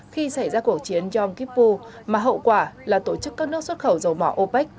khi xảy ra cuộc chiến yong kippu mà hậu quả là tổ chức các nước xuất khẩu dầu mỏ opec